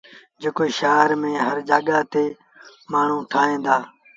جيڪو شآهر ميݩ هر جآڳآ تي مآڻهوٚٚݩ ٺاهيݩ دآ۔